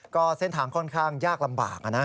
ก็เส้นทางค่อนข้างยากลำบากนะ